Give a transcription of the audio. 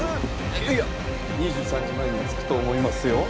いやいや２３時前には着くと思いますよ